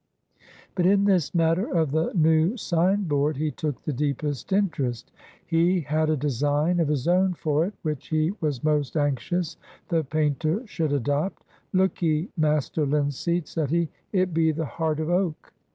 But in this matter of the new sign board he took the deepest interest. He had a design of his own for it, which he was most anxious the painter should adopt. "Look 'ee, Master Linseed," said he. "It be the Heart of Oak.